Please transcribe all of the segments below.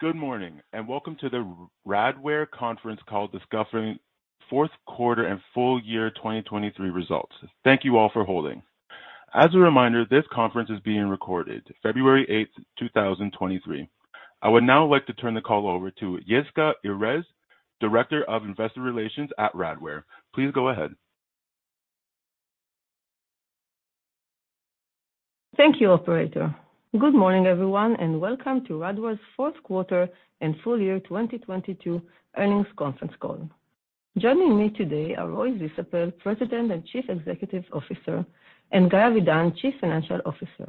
Good morning, welcome to the Radware conference call discussing fourth quarter and full year 2023 results. Thank you all for holding. As a reminder, this conference is being recorded February 8th, 2023. I would now like to turn the call over to Yisca Erez, Director of Investor Relations at Radware. Please go ahead. Thank you, Operator. Good morning, everyone, welcome to Radware's fourth quarter and full year 2022 earnings conference call. Joining me today are Roy Zisapel, President and Chief Executive Officer, and Guy Avidan, Chief Financial Officer.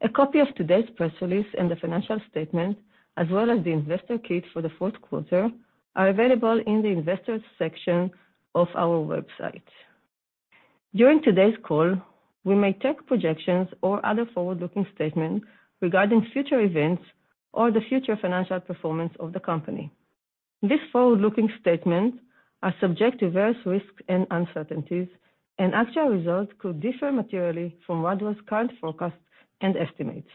A copy of today's press release and the financial statement, as well as the investor kit for the fourth quarter, are available in the investors section of our website. During today's call, we may take projections or other forward-looking statements regarding future events or the future financial performance of the company. These forward-looking statements are subject to various risks and uncertainties, actual results could differ materially from Radware's current forecasts and estimates.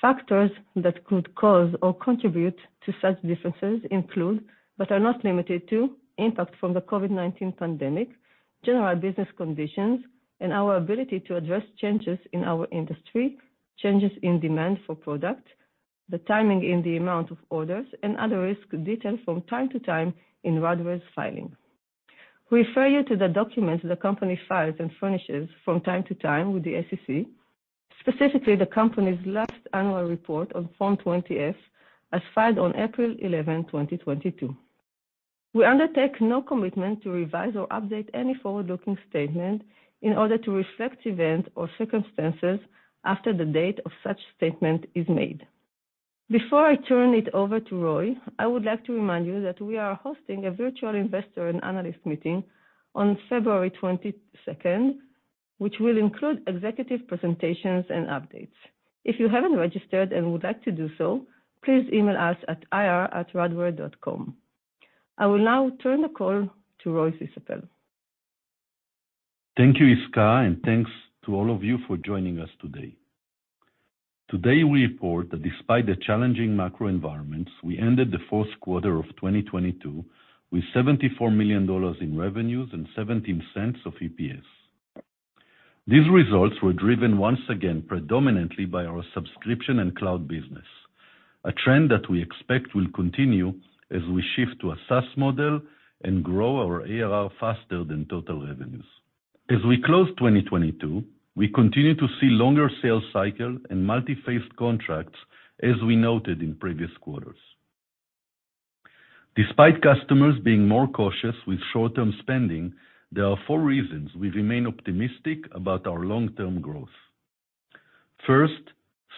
Factors that could cause or contribute to such differences include, but are not limited to impact from the COVID-19 pandemic, general business conditions, and our ability to address changes in our industry, changes in demand for product, the timing in the amount of orders, and other risks detailed from time to time in Radware's filing. We refer you to the documents the company files and furnishes from time to time with the SEC, specifically the company's last annual report on Form 20-F, as filed on April 11, 2022. We undertake no commitment to revise or update any forward-looking statement in order to reflect event or circumstances after the date of such statement is made. Before I turn it over to Roy, I would like to remind you that we are hosting a virtual investor and analyst meeting on February 22nd, which will include executive presentations and updates. If you haven't registered and would like to do so, please email us at ir@radware.com. I will now turn the call to Roy Zisapel. Thank you, Yisca, and thanks to all of you for joining us today. Today, we report that despite the challenging macro environments, we ended the fourth quarter of 2022 with $74 million in revenues and $0.17 of EPS. These results were driven once again predominantly by our subscription and cloud business, a trend that we expect will continue as we shift to a SaaS model and grow our ARR faster than total revenues. As we close 2022, we continue to see longer sales cycle and multi-phase contracts, as we noted in previous quarters. Despite customers being more cautious with short-term spending, there are four reasons we remain optimistic about our long-term growth. First,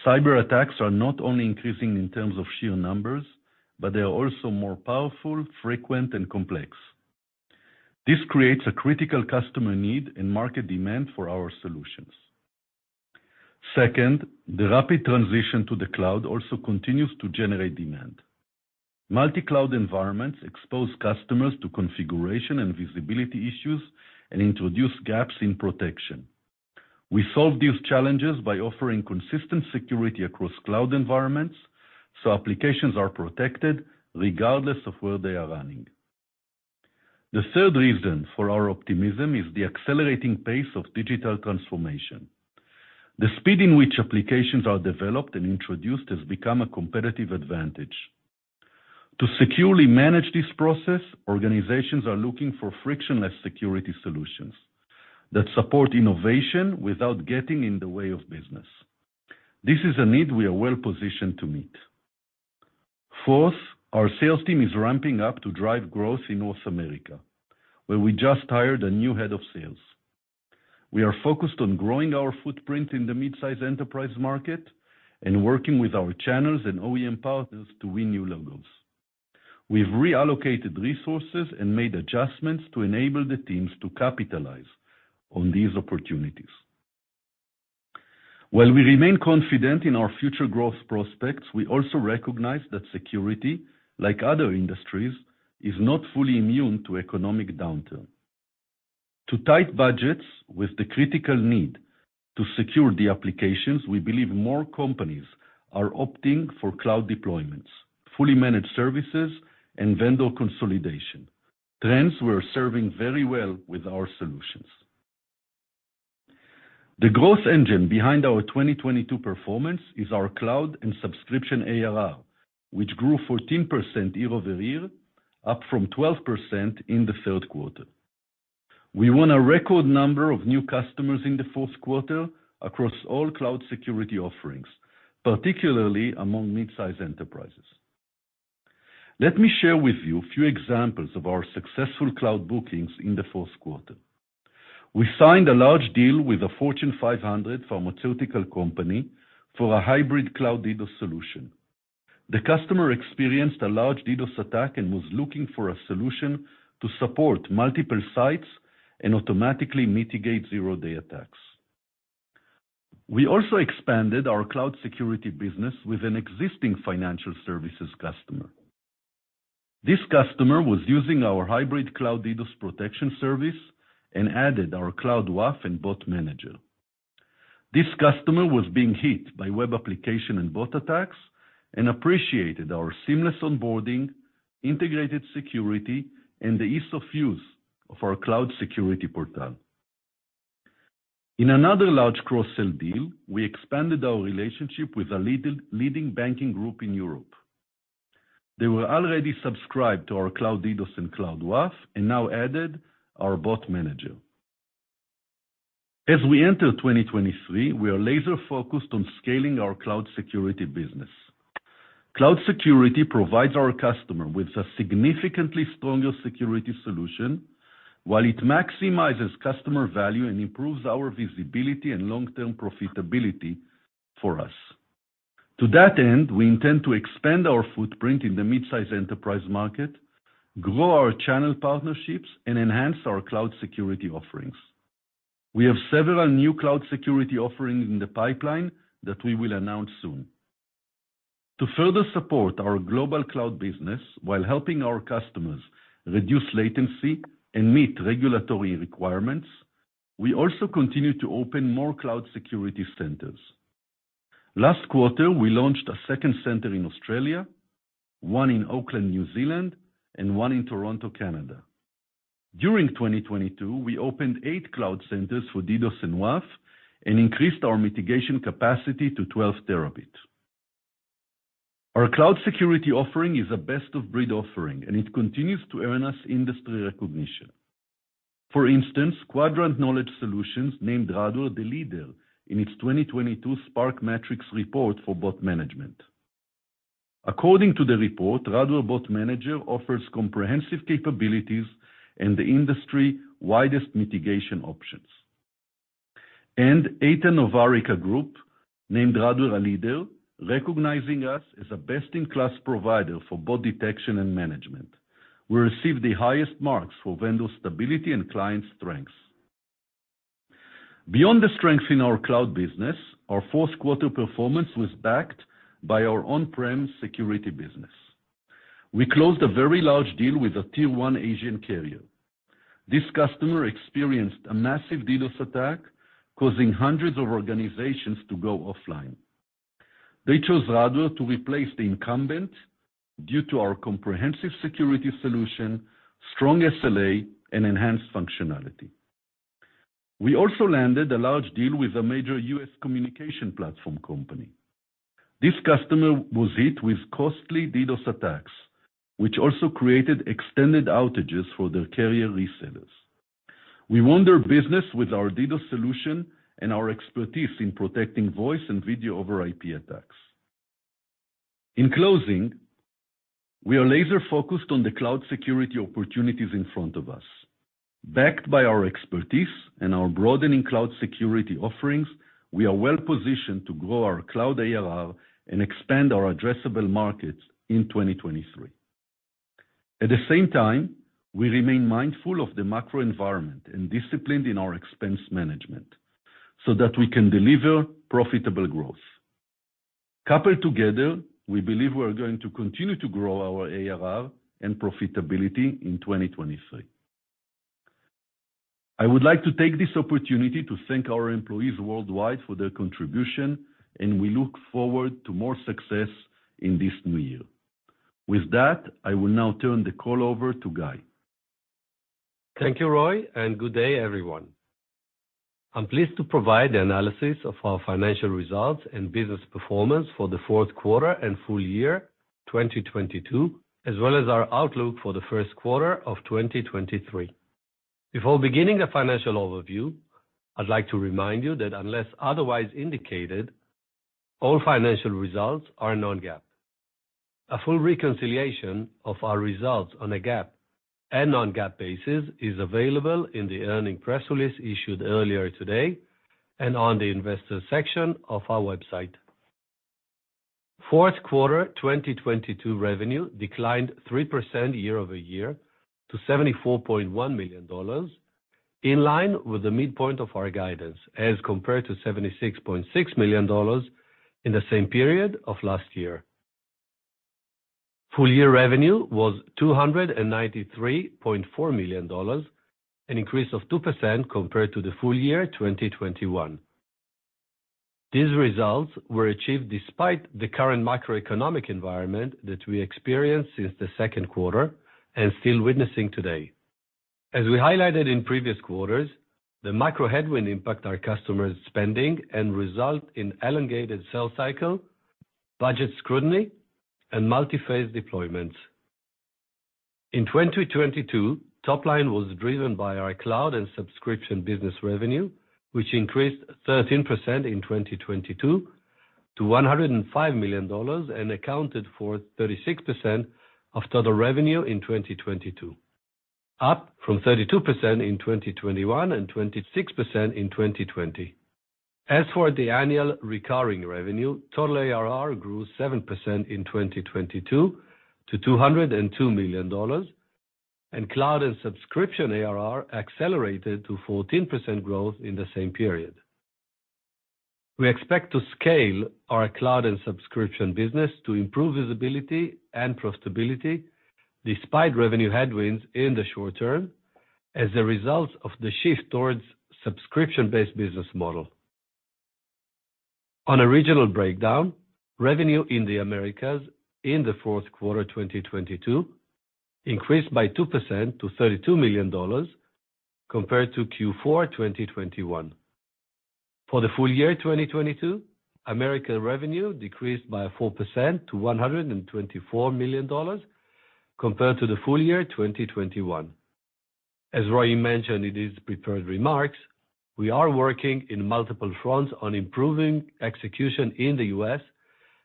cyberattacks are not only increasing in terms of sheer numbers, but they are also more powerful, frequent, and complex. This creates a critical customer need and market demand for our solutions. The rapid transition to the cloud also continues to generate demand. Multi-cloud environments expose customers to configuration and visibility issues and introduce gaps in protection. We solve these challenges by offering consistent security across cloud environments, so applications are protected regardless of where they are running. The third reason for our optimism is the accelerating pace of digital transformation. The speed in which applications are developed and introduced has become a competitive advantage. To securely manage this process, organizations are looking for frictionless security solutions that support innovation without getting in the way of business. This is a need we are well-positioned to meet. Our sales team is ramping up to drive growth in North America, where we just hired a new head of sales. We are focused on growing our footprint in the midsize enterprise market and working with our channels and OEM partners to win new logos. We've reallocated resources and made adjustments to enable the teams to capitalize on these opportunities. While we remain confident in our future growth prospects, we also recognize that security, like other industries, is not fully immune to economic downturn. To tight budgets with the critical need to secure the applications, we believe more companies are opting for cloud deployments, fully managed services, and vendor consolidation. Trends we're serving very well with our solutions. The growth engine behind our 2022 performance is our cloud and subscription ARR, which grew 14% year-over-year, up from 12% in the third quarter. We won a record number of new customers in the fourth quarter across all cloud security offerings, particularly among midsize enterprises. Let me share with you a few examples of our successful cloud bookings in the fourth quarter. We signed a large deal with a Fortune 500 pharmaceutical company for a Hybrid Cloud DDoS solution. The customer experienced a large DDoS attack and was looking for a solution to support multiple sites and automatically mitigate zero-day attacks. We also expanded our cloud security business with an existing financial services customer. This customer was using our Hybrid Cloud DDoS Protection Service and added our Cloud WAF and Bot Manager. This customer was being hit by web application and bot attacks and appreciated our seamless onboarding, integrated security, and the ease of use of our cloud security portal. In another large cross-sell deal, we expanded our relationship with a leading banking group in Europe. They were already subscribed to our Cloud DDoS and Cloud WAF, now added our Bot Manager. As we enter 2023, we are laser-focused on scaling our cloud security business. Cloud security provides our customer with a significantly stronger security solution while it maximizes customer value and improves our visibility and long-term profitability for us. To that end, we intend to expand our footprint in the midsize enterprise market, grow our channel partnerships, and enhance our cloud security offerings. We have several new cloud security offerings in the pipeline that we will announce soon. To further support our global cloud business while helping our customers reduce latency and meet regulatory requirements, we also continue to open more cloud security centers. Last quarter, we launched a second center in Australia, one in Auckland, New Zealand, and one in Toronto, Canada. During 2022, we opened eight cloud centers for DDoS and WAF and increased our mitigation capacity to 12 Tb. Our cloud security offering is a best-of-breed offering, and it continues to earn us industry recognition. For instance, Quadrant Knowledge Solutions named Radware the leader in its 2022 SPARK Matrix report for bot management. According to the report, Radware Bot Manager offers comprehensive capabilities and the industry-widest mitigation options. Aite-Novarica Group named Radware a leader, recognizing us as a best-in-class provider for bot detection and management. We received the highest marks for vendor stability and client strengths. Beyond the strength in our cloud business, our fourth quarter performance was backed by our on-prem security business. We closed a very large deal with a Tier 1 Asian carrier. This customer experienced a massive DDoS attack, causing hundreds of organizations to go offline. They chose Radware to replace the incumbent due to our comprehensive security solution, strong SLA, and enhanced functionality. We also landed a large deal with a major U.S. communication platform company. This customer was hit with costly DDoS attacks, which also created extended outages for their carrier resellers. We won their business with our DDoS solution and our expertise in protecting voice and video over IP attacks. In closing, we are laser-focused on the cloud security opportunities in front of us. Backed by our expertise and our broadening cloud security offerings, we are well-positioned to grow our cloud ARR and expand our addressable markets in 2023. At the same time, we remain mindful of the macro environment and disciplined in our expense management so that we can deliver profitable growth. Coupled together, we believe we are going to continue to grow our ARR and profitability in 2023. I would like to take this opportunity to thank our employees worldwide for their contribution, and we look forward to more success in this new year. With that, I will now turn the call over to Guy. Thank you, Roy. Good day, everyone. I'm pleased to provide the analysis of our financial results and business performance for the fourth quarter and full year 2022, as well as our outlook for the first quarter of 2023. Before beginning the financial overview, I'd like to remind you that unless otherwise indicated, all financial results are non-GAAP. A full reconciliation of our results on a GAAP and non-GAAP basis is available in the earning press release issued earlier today and on the investor section of our website. Fourth quarter 2022 revenue declined 3% year-over-year to $74.1 million, in line with the midpoint of our guidance, as compared to $76.6 million in the same period of last year. Full year revenue was $293.4 million, an increase of 2% compared to the full year 2021. These results were achieved despite the current macroeconomic environment that we experienced since the second quarter and still witnessing today. As we highlighted in previous quarters, the macro headwind impact our customers' spending and result in elongated sales cycle, budget scrutiny, and multi-phase deployments. In 2022, top line was driven by our cloud and subscription business revenue, which increased 13% in 2022 to $105 million and accounted for 36% of total revenue in 2022, up from 32% in 2021 and 26% in 2020. As for the annual recurring revenue, total ARR grew 7% in 2022 to $202 million, and cloud and subscription ARR accelerated to 14% growth in the same period. We expect to scale our cloud and subscription business to improve visibility and profitability despite revenue headwinds in the short term as a result of the shift towards subscription-based business model. On a regional breakdown, revenue in the America in the fourth quarter, 2022 increased by 2% to $32 million compared to Q4, 2021. For the full year, 2022, America revenue decreased by 4% to $124 million compared to the full year, 2021. As Roy mentioned in his prepared remarks, we are working in multiple fronts on improving execution in the U.S.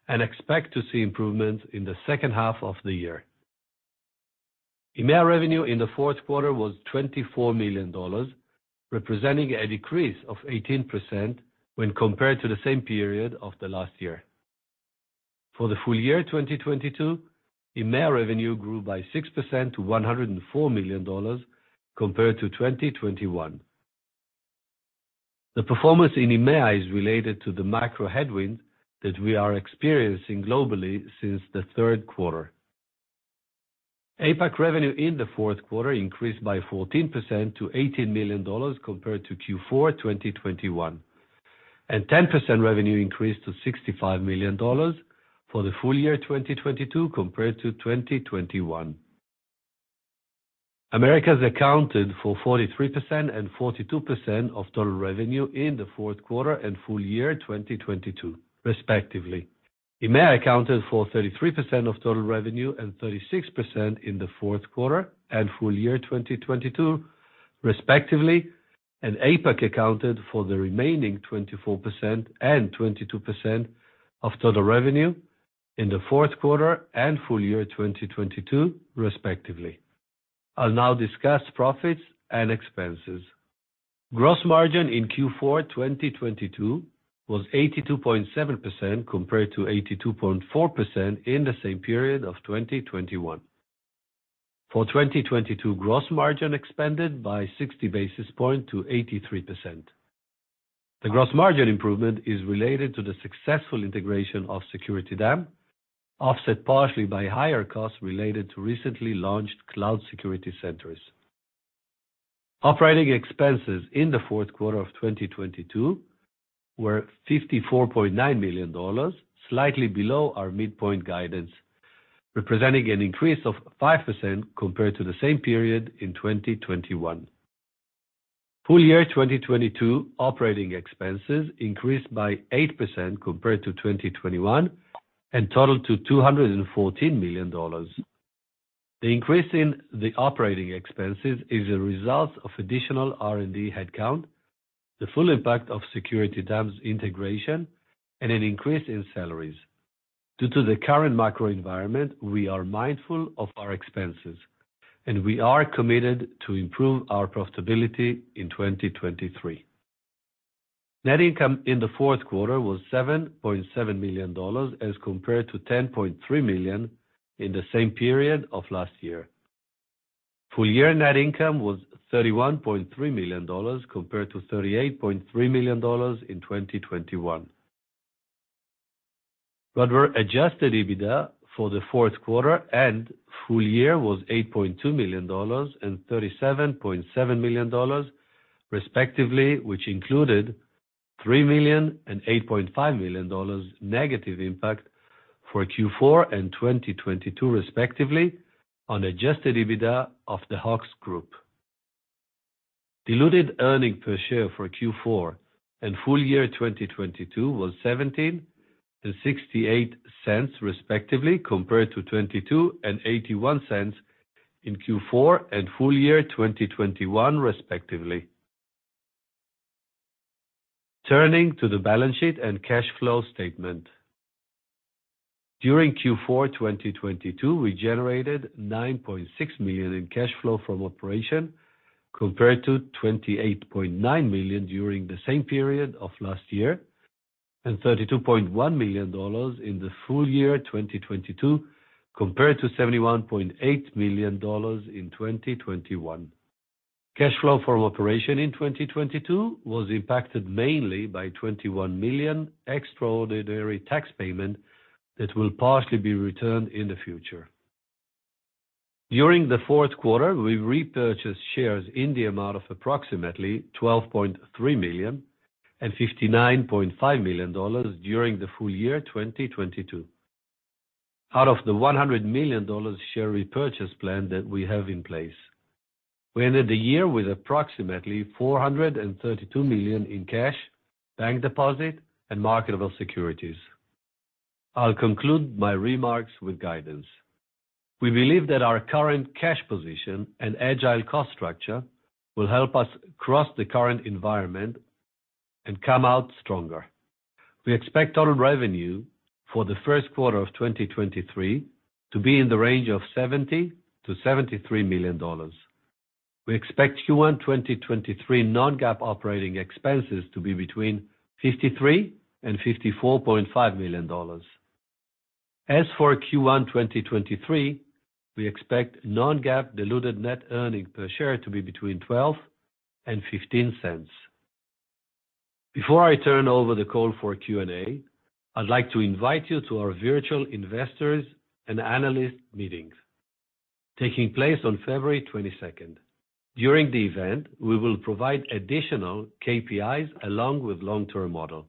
and expect to see improvements in the second half of the year. EMEA revenue in the fourth quarter was $24 million, representing a decrease of 18% when compared to the same period of the last year. For the full year, 2022, EMEA revenue grew by 6% to $104 million compared to 2021. The performance in EMEA is related to the macro headwinds that we are experiencing globally since the third quarter. APAC revenue in the fourth quarter increased by 14% to $18 million compared to Q4, 2021, and 10% revenue increase to $65 million for the full year, 2022 compared to 2021. Americas accounted for 43% and 42% of total revenue in the fourth quarter and full year, 2022 respectively. EMEA accounted for 33% of total revenue and 36% in the fourth quarter and full year, 2022 respectively. APAC accounted for the remaining 24% and 22% of total revenue in the fourth quarter and full year, 2022 respectively. I'll now discuss profits and expenses. Gross margin in Q4, 2022 was 82.7% compared to 82.4% in the same period of 2021. For 2022, gross margin expanded by 60 basis point to 83%. The gross margin improvement is related to the successful integration of SecurityDAM, offset partially by higher costs related to recently launched cloud security centers. Operating expenses in the fourth quarter of 2022 were $54.9 million, slightly below our midpoint guidance, representing an increase of 5% compared to the same period in 2021. Full year 2022, operating expenses increased by 8% compared to 2021 and totaled to $214 million. The increase in the operating expenses is a result of additional R&D headcount, the full impact of SecurityDAM's integration, and an increase in salaries. Due to the current macro environment, we are mindful of our expenses, and we are committed to improve our profitability in 2023. Net income in the fourth quarter was $7.7 million as compared to $10.3 million in the same period of last year. Full year net income was $31.3 million compared to $38.3 million in 2021. Our adjusted EBITDA for the fourth quarter and full year was $8.2 million and $37.7 million, respectively, which included $3 million and $8.5 million negative impact for Q4 and 2022 respectively on adjusted EBITDA of the Hawks Group. Diluted earnings per share for Q4 and full year, 2022 was $0.17 and $0.68 respectively, compared to $0.22 and $0.81 in Q4 and full year, 2021 respectively. Turning to the balance sheet and cash flow statement. During Q4, 2022, we generated $9.6 million in cash flow from operations compared to $28.9 million during the same period of last year, and $32.1 million in the full year, 2022, compared to $71.8 million in 2021. Cash flow from operation in 2022 was impacted mainly by $21 million extraordinary tax payment that will partially be returned in the future. During the fourth quarter, we repurchased shares in the amount of approximately $12.3 million and $59.5 million during the full year, 2022. Out of the $100 million share repurchase plan that we have in place, we ended the year with approximately $432 million in cash, bank deposit, and marketable securities. I'll conclude my remarks with guidance. We believe that our current cash position and agile cost structure will help us cross the current environment and come out stronger. We expect total revenue for the first quarter of 2023 to be in the range of $70 million-$73 million. We expect Q1 2023 non-GAAP operating expenses to be between $53 million and $54.5 million. As for Q1 2023, we expect non-GAAP diluted net earnings per share to be between $0.12 and $0.15. Before I turn over the call for Q&A, I'd like to invite you to our virtual investors and analyst meetings taking place on February 22nd. During the event, we will provide additional KPIs along with long-term model.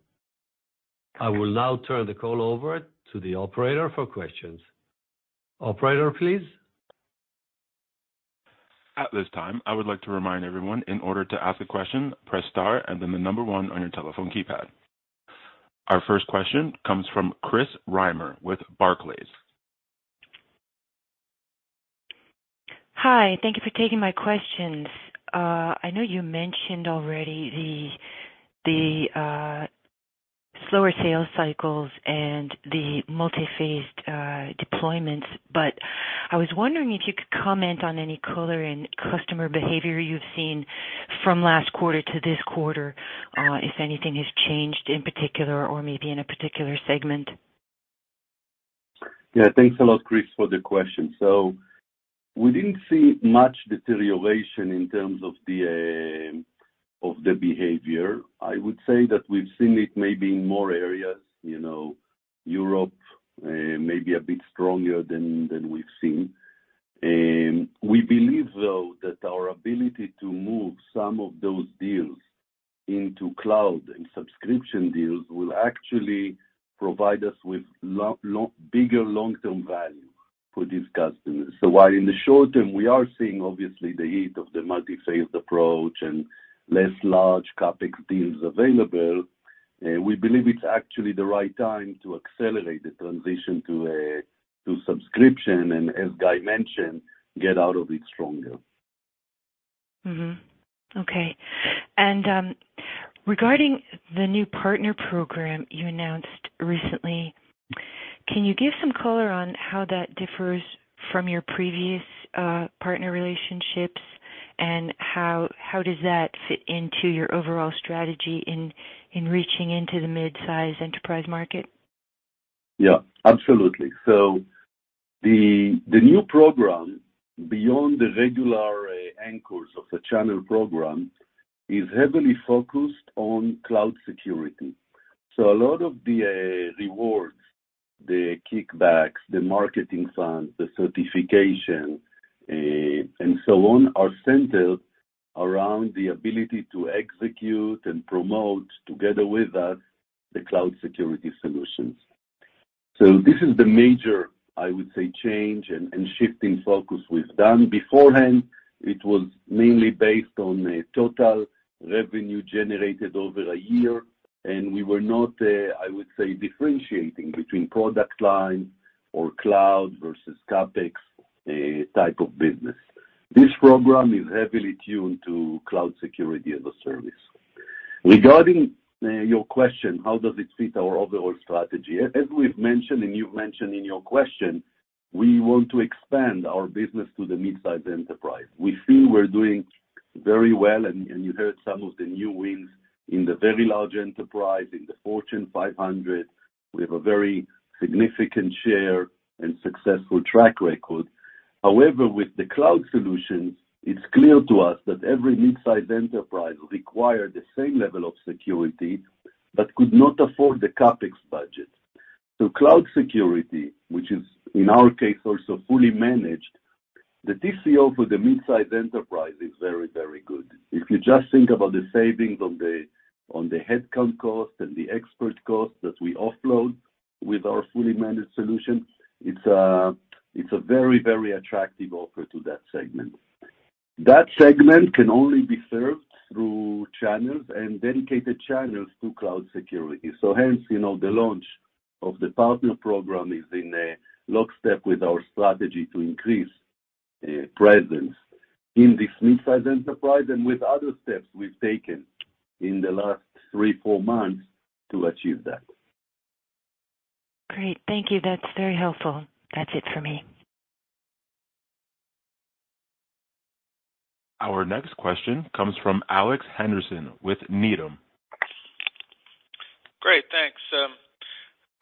I will now turn the call over to the Operator for questions. Operator, please. At this time, I would like to remind everyone, in order to ask a question, press star and then the number one on your telephone keypad. Our first question comes from Chris Reimer with Barclays. Hi, thank you for taking my questions. I know you mentioned already the slower sales cycles and the multi-phased deployments. I was wondering if you could comment on any color in customer behavior you've seen from last quarter to this quarter, if anything has changed in particular or maybe in a particular segment. Yeah, thanks a lot, Chris, for the question. We didn't see much deterioration in terms of the behavior. I would say that we've seen it maybe in more areas, you know, Europe, maybe a bit stronger than we've seen. We believe, though, that our ability to move some of those deals into cloud and subscription deals will actually provide us with bigger long-term value for these customers. While in the short term, we are seeing obviously the heat of the multi-phased approach and less large CapEx deals available, we believe it's actually the right time to accelerate the transition to subscription, and as Guy mentioned, get out of it stronger. Okay. Regarding the new partner program you announced recently, can you give some color on how that differs from your previous partner relationships, and how does that fit into your overall strategy in reaching into the midsize enterprise market? Yeah, absolutely. The new program, beyond the regular anchors of the channel program, is heavily focused on cloud security. A lot of the rewards, the kickbacks, the marketing funds, the certification, and so on, are centered around the ability to execute and promote together with us the cloud security solutions. This is the major, I would say, change and shifting focus we've done. Beforehand, it was mainly based on a total revenue generated over a year, and we were not, I would say, differentiating between product line or cloud versus CapEx type of business. This program is heavily tuned to cloud security as a service. Regarding your question, how does it fit our overall strategy? As we've mentioned, and you've mentioned in your question, we want to expand our business to the midsize enterprise. We feel we're doing very well, and you heard some of the new wins in the very large enterprise, in the Fortune 500. We have a very significant share and successful track record. With the cloud solutions, it's clear to us that every midsize enterprise require the same level of security but could not afford the CapEx budget. Cloud security, which is, in our case, also fully managed, the TCO for the midsize enterprise is very, very good. If you just think about the savings on the headcount cost and the expert cost that we offload with our fully managed solution, it's a very, very attractive offer to that segment. That segment can only be served through channels and dedicated channels to cloud security. Hence, you know, the launch of the partner program is in lockstep with our strategy to increase presence in this midsize enterprise and with other steps we've taken in the last three, four months to achieve that. Great. Thank you. That's very helpful. That's it for me. Our next question comes from Alex Henderson with Needham. Great. Thanks.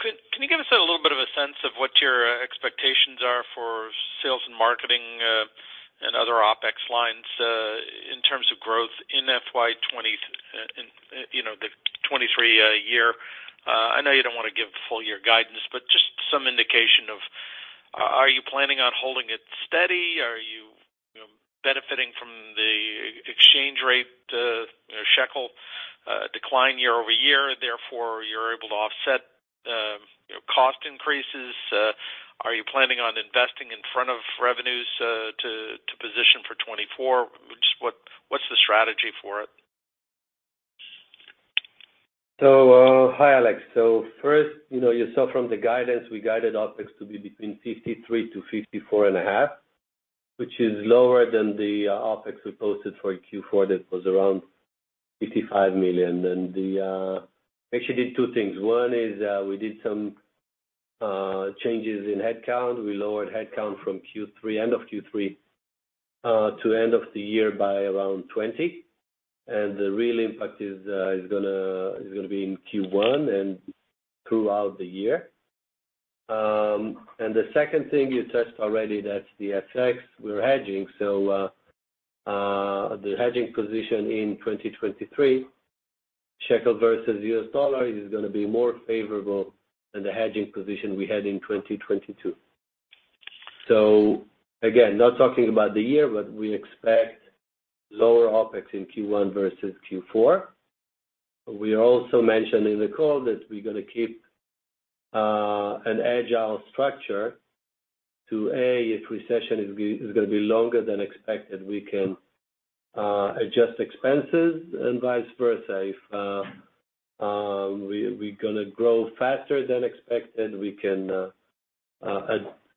Can you give us a little bit of a sense of what your expectations are for sales and marketing and other OpEx lines in terms of growth in FY 2023 year? I know you don't want to give full-year guidance, but just some indication of, are you planning on holding it steady? Are you know, benefiting from the exchange rate, you know, shekel decline year-over-year, therefore you're able to offset, you know, cost increases? Are you planning on investing in front of revenues to position for 2024? Just what's the strategy for it? Hi, Alex. First, you know, you saw from the guidance, we guided OpEx to be between $53 million-$54.5 million, which is lower than the OpEx we posted for Q4. That was around $55 million. Actually did two things. One is, we did some changes in headcount. We lowered headcount from Q3, end of Q3, to end of the year by around 20, the real impact is gonna be in Q1 and throughout the year. The second thing you touched already, that's the FX we're hedging. The hedging position in 2023, shekel versus US dollar is gonna be more favorable than the hedging position we had in 2022. Again, not talking about the year, we expect lower OpEx in Q1 versus Q4. We also mentioned in the call that we're gonna keep an agile structure to, A, if recession is gonna be longer than expected, we can adjust expenses and vice versa. If we gonna grow faster than expected, we can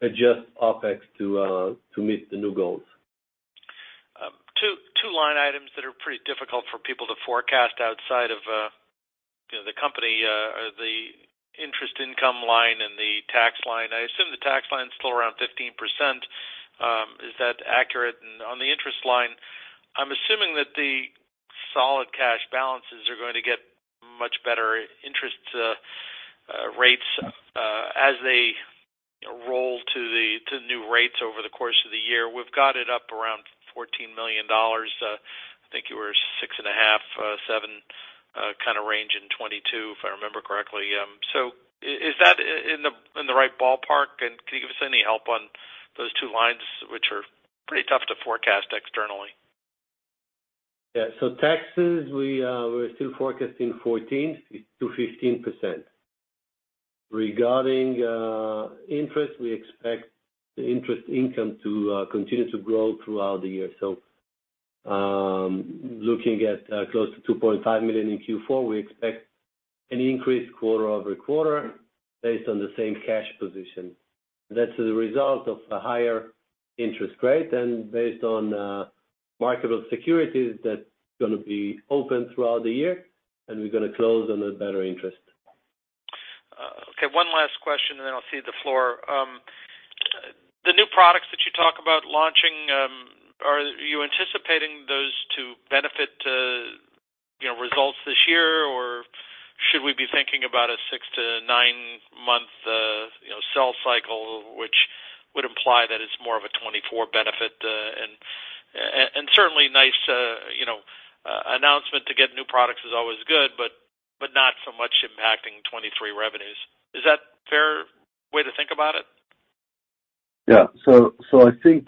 adjust OpEx to meet the new goals. Two line items that are pretty difficult for people to forecast outside of, you know, the company, the interest income line and the tax line. I assume the tax line is still around 15%. Is that accurate? On the interest line, I'm assuming that the solid cash balances are going to get much better interest rates, as they roll to the new rates over the course of the year. We've got it up around $14 million. I think you were $6.5 million, $7 million, kind of range in 2022, if I remember correctly. Is that in the right ballpark? Can you give us any help on those two lines, which are pretty tough to forecast externally? Taxes, we're still forecasting 14%-15%. Regarding, interest, we expect the interest income to, continue to grow throughout the year. Looking at, close to $2.5 million in Q4, we expect an increase quarter-over-quarter based on the same cash position. That's as a result of a higher interest rate and based on, marketable securities that's gonna be open throughout the year, and we're gonna close on a better interest. Okay, one last question, and then I'll cede the floor. The new products that you talk about launching, are you anticipating those to benefit, you know, results this year? Or should we be thinking about a six to nine-month, you know, sell cycle, which would imply that it's more of a 2024 benefit, and certainly nice, you know, announcement to get new products is always good, but not so much impacting 2023 revenues. Is that fair way to think about it? Yeah. I think,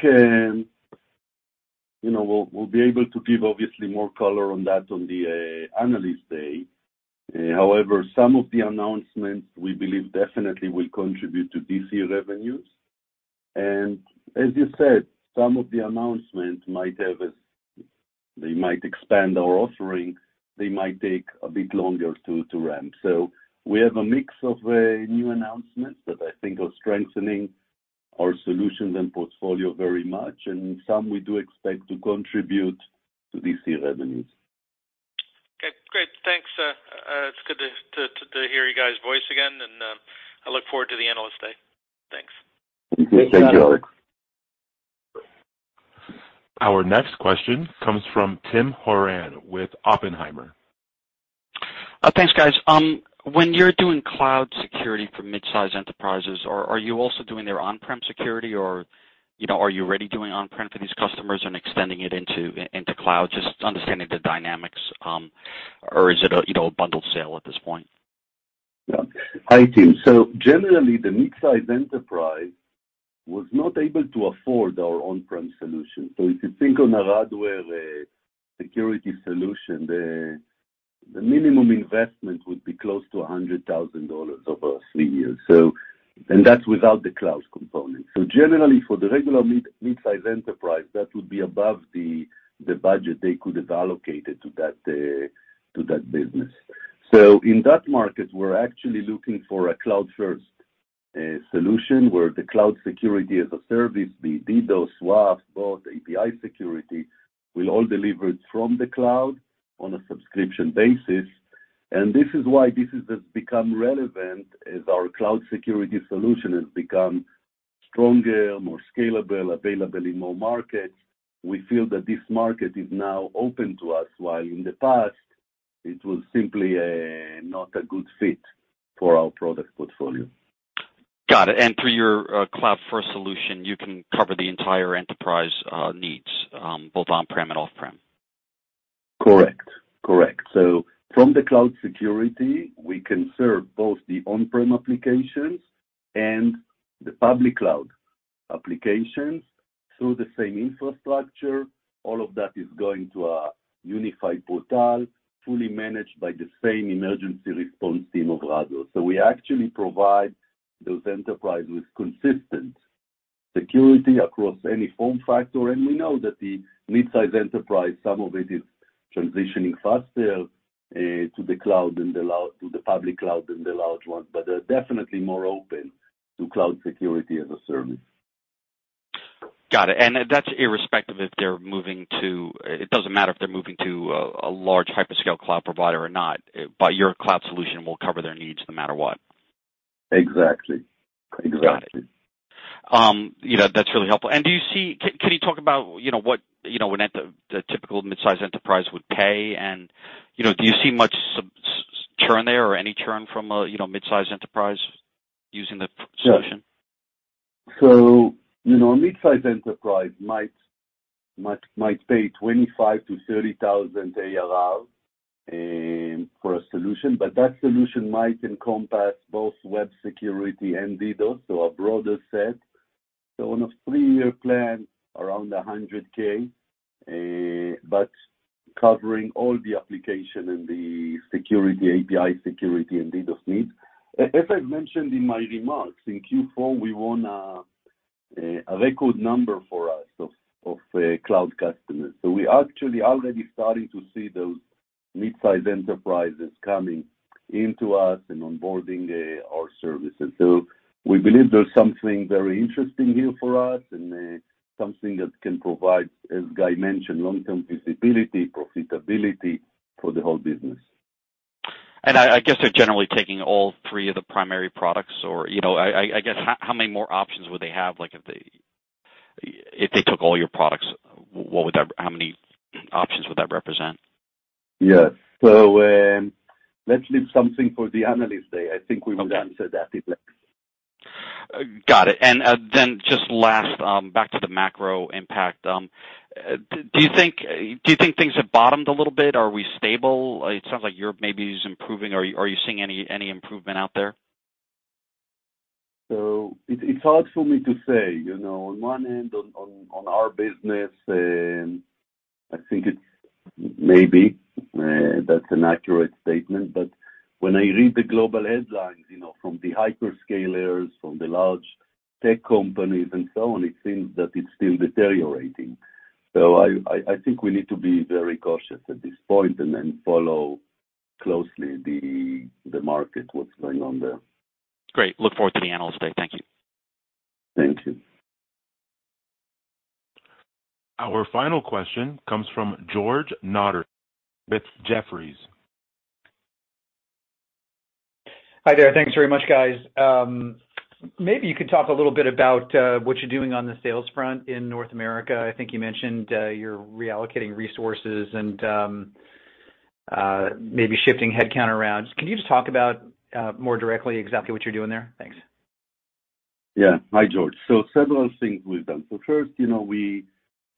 you know, we'll be able to give obviously more color on that on the Analyst Day. However, some of the announcements we believe definitely will contribute to this year's revenues. As you said, some of the announcements might have they might expand our offering, they might take a bit longer to ramp. We have a mix of new announcements that I think are strengthening our solutions and portfolio very much, and some we do expect to contribute to this year's revenues. Okay, great. Thanks. It's good to hear you guys voice again, I look forward to the Analyst Day. Thanks. Thank you. Thank you, Alex. Our next question comes from Tim Horan with Oppenheimer. Thanks, guys. When you're doing cloud security for midsize enterprises, are you also doing their on-prem security or, you know, are you already doing on-prem for these customers and extending it into cloud, just understanding the dynamics, or is it a, you know, a bundled sale at this point? Yeah. Hi, Tim. Generally, the midsize enterprise was not able to afford our on-prem solution. If you think on a Radware security solution, the minimum investment would be close to $100,000 over three years. That's without the cloud component. Generally, for the regular midsize enterprise, that would be above the budget they could have allocated to that business. In that market, we're actually looking for a cloud-first solution where the cloud security as a service, be it DDoS, WAF, both API security, will all deliver it from the cloud on a subscription basis. This is why this has become relevant as our cloud security solution has become stronger, more scalable, available in more markets. We feel that this market is now open to us, while in the past it was simply not a good fit for our product portfolio. Got it. Through your cloud-first solution, you can cover the entire enterprise needs, both on-prem and off-prem. Correct. Correct. From the cloud security, we can serve both the on-prem applications and the public cloud applications through the same infrastructure. All of that is going to a unified portal, fully managed by the same emergency response team of Radware. We actually provide those enterprise with consistent security across any form factor. We know that the midsize enterprise, some of it is transitioning faster to the cloud than to the public cloud than the large ones, but they're definitely more open to cloud security as a service. Got it. It doesn't matter if they're moving to a large hyperscale cloud provider or not. Your cloud solution will cover their needs no matter what. Exactly. Exactly. Got it. You know, that's really helpful. Can you talk about, you know, what, you know, when at the typical midsize enterprise would pay and, you know, do you see much churn there or any churn from a, you know, midsize enterprise using the solution? Yeah. You know, a midsize enterprise might pay $25,000-$30,000 ARR for a solution, but that solution might encompass both web security and DDoS, so a broader set. On a three-year plan, around $100,000, but covering all the application and the security, API security and DDoS needs. As I mentioned in my remarks, in Q4 we won a record number for us of cloud customers. We actually already starting to see those midsize enterprises coming into us and onboarding our services. We believe there's something very interesting here for us and something that can provide, as Guy mentioned, long-term visibility, profitability for the whole business. I guess they're generally taking all three of the primary products or, you know, I guess how many more options would they have, like, if they, if they took all your products, how many options would that represent? Yes. Let's leave something for the Analyst Day. I think we will answer that then. Got it. Then just last, back to the macro impact, do you think things have bottomed a little bit? Are we stable? It sounds like Europe maybe is improving. Are you seeing any improvement out there? It's hard for me to say, you know. On one end on our business, I think it's maybe that's an accurate statement. When I read the global headlines, you know, from the hyperscalers, from the large tech companies and so on, it seems that it's still deteriorating. I think we need to be very cautious at this point and follow closely the market, what's going on there. Great. Look forward to the Analyst Day. Thank you. Thank you. Our final question comes from George Notter with Jefferies. Hi, there. Thanks very much, guys. Maybe you could talk a little bit about what you're doing on the sales front in North America. I think you mentioned you're reallocating resources and maybe shifting headcount around. Can you just talk about more directly exactly what you're doing there? Thanks. Yeah. Hi, George. Several things we've done. First, you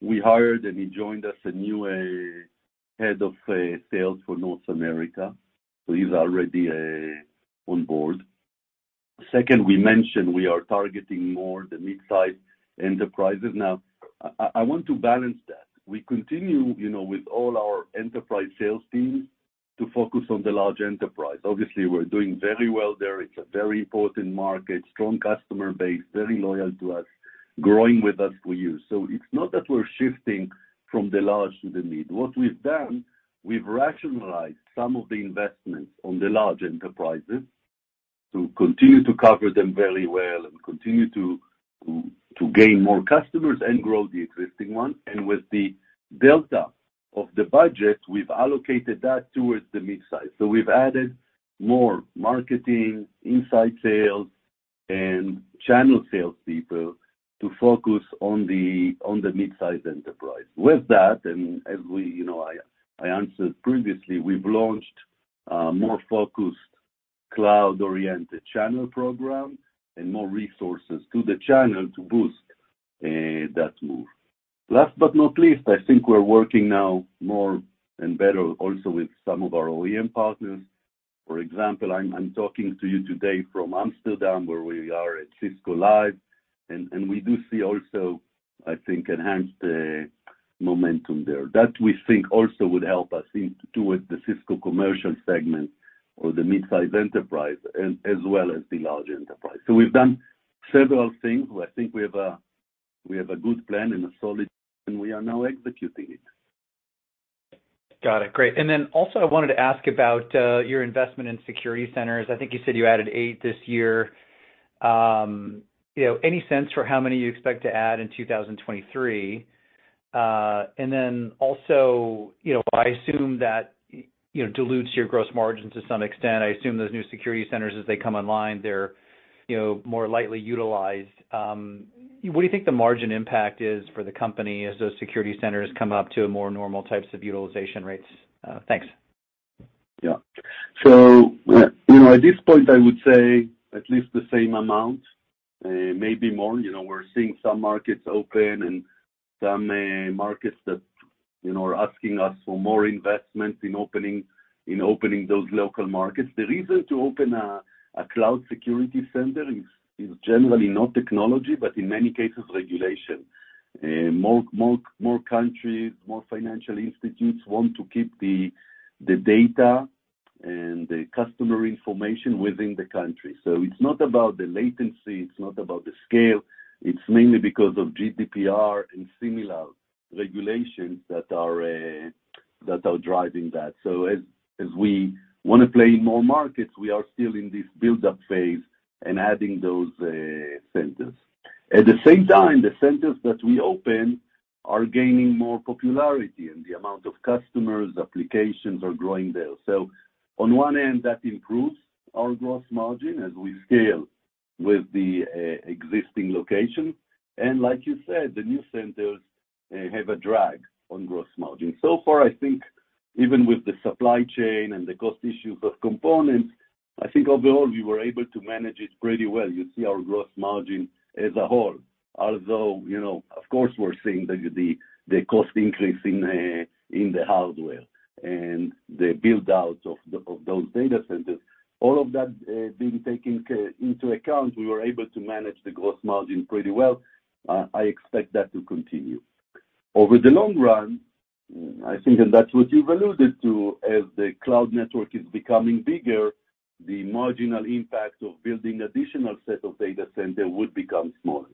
know, we hired and he joined us, a new head of sales for North America, so he's already on board. Second, we mentioned we are targeting more the midsize enterprises. Now, I want to balance that. We continue, you know, with all our enterprise sales teams to focus on the large enterprise. Obviously, we're doing very well there. It's a very important market, strong customer base, very loyal to us, growing with us for years. It's not that we're shifting from the large to the mid. What we've done, we've rationalized some of the investments on the large enterprises to continue to cover them very well and continue to gain more customers and grow the existing ones. With the delta of the budget, we've allocated that towards the mid-size. We've added more marketing, inside sales and channel sales people to focus on the midsize enterprise. With that, as we, you know, I answered previously, we've launched a more focused cloud-oriented channel program and more resources to the channel to boost that move. Last but not least, I think we're working now more and better also with some of our OEM partners. For example, I'm talking to you today from Amsterdam, where we are at Cisco Live, and we do see also, I think, enhanced momentum there. That we think also would help us in towards the Cisco commercial segment or the midsize enterprise as well as the large enterprise. We've done several things. I think we have a good plan and a solid, and we are now executing it. Got it. Great. Also I wanted to ask about your investment in security centers. I think you said you added eight this year. You know, any sense for how many you expect to add in 2023? You know, I assume that, you know, dilutes your gross margin to some extent. I assume those new security centers as they come online, they're, you know, more lightly utilized. What do you think the margin impact is for the company as those security centers come up to a more normal types of utilization rates? Thanks. Yeah. You know, at this point, I would say at least the same amount, maybe more. You know, we're seeing some markets open and some markets that, you know, are asking us for more investments in opening those local markets. The reason to open a cloud security center is generally not technology, but in many cases, regulation. More countries, more financial institutes want to keep the data and the customer information within the country. It's not about the latency, it's not about the scale, it's mainly because of GDPR and similar regulations that are driving that. As we wanna play in more markets, we are still in this buildup phase and adding those centers. At the same time, the centers that we open. Are gaining more popularity, and the amount of customers, applications are growing there. On one end, that improves our gross margin as we scale with the existing location. Like you said, the new centers have a drag on gross margin. So far, I think even with the supply chain and the cost issues of components, I think overall, we were able to manage it pretty well. You see our gross margin as a whole. Although, you know, of course, we're seeing the cost increase in the hardware and the build-out of those data centers. All of that being taken into account, we were able to manage the gross margin pretty well. I expect that to continue. Over the long run, I think, and that's what you've alluded to, as the cloud network is becoming bigger, the marginal impact of building additional set of data center would become small.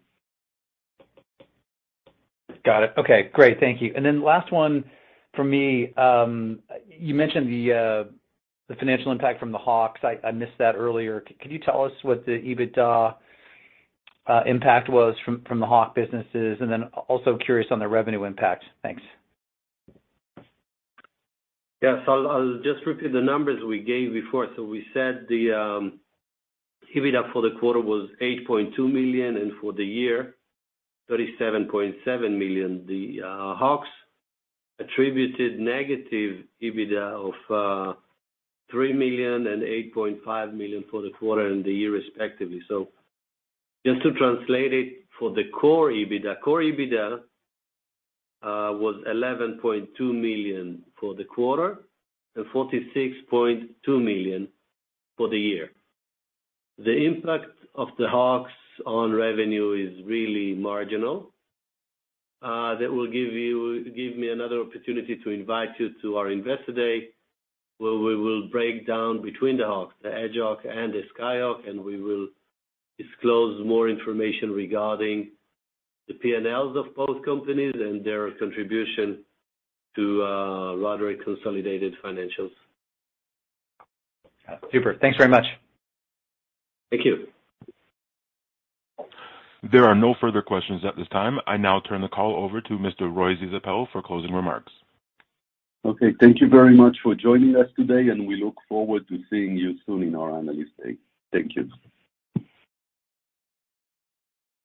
Got it. Okay. Great. Thank you. Then last one from me. You mentioned the financial impact from the Hawk. I missed that earlier. Can you tell us what the EBITDA impact was from the Hawk businesses? Then also curious on the revenue impact. Thanks. Yes, I'll just repeat the numbers we gave before. We said the EBITDA for the quarter was $8.2 million, and for the year, $37.7 million. The Hawks attributed negative EBITDA of $3 million and $8.5 million for the quarter and the year respectively. Just to translate it for the core EBITDA was $11.2 million for the quarter and $46.2 million for the year. The impact of the Hawks on revenue is really marginal. That will give me another opportunity to invite you to our Investor Day, where we will break down between the Hawks, the EdgeHawk and the SkyHawk, and we will disclose more information regarding the P&Ls of both companies and their contribution to Radware consolidated financials. Got it. Super. Thanks very much. Thank you. There are no further questions at this time. I now turn the call over to Mr. Roy Zisapel for closing remarks. Okay. Thank you very much for joining us today. We look forward to seeing you soon in our Analyst Day. Thank you.